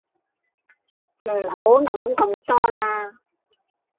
唔好諗咁多啦